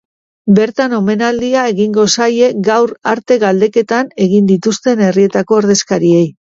Bertan, omenaldia egingo zaie gaur arte galdeketak egin dituzten herrietako ordezkariei.